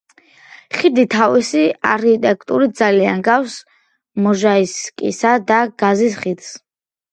ხიდი თავისი არქიტექტურით ძალიან ჰგავს მოჟაისკისა და გაზის ხიდს.